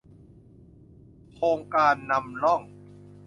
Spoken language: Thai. โครงการนำร่อง